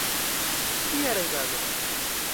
Kia rajdado?